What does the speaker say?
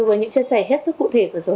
với những chia sẻ hết sức cụ thể vừa rồi